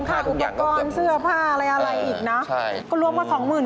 ก็คือเกือบหมื่นรวมค่าทุกอย่างก็เกือบหมื่น